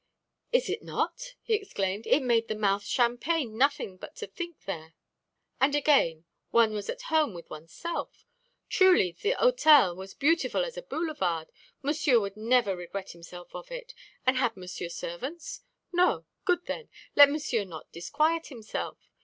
"Is it not!" he exclaimed, "it made the mouth champagne nothing but to think there. And again, one was at home with one's self. Truly, the hôtel was beautiful as a boulevard. Monsieur would never regret himself of it. And had Monsieur servants? No, good then. Let Monsieur not disquiet himself.